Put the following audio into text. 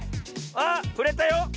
あっふれたよ！